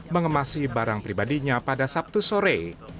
mengemasi barang pribadinya pada sabtu sore